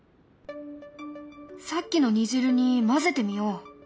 さっきの煮汁に混ぜてみよう。